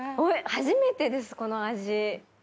初めてですこの味。